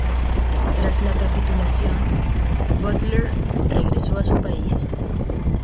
Tras la capitulación, Butler regresó a su país.